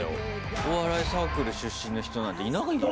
お笑いサークル出身の人なんていないよ。